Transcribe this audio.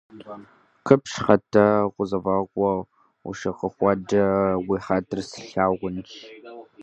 - Къипщхьэ-тӏэ, гузэвэгъуэ ущыхэхуакӏэ уи хьэтыр слъагъунщ.